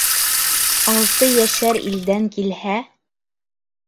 Алты йәшәр илдән килһә